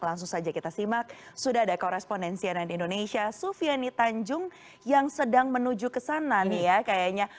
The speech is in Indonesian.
langsung saja kita simak sudah ada korespondensi ann indonesia sufiani tanjung yang sedang menuju ke sana nih ya kayaknya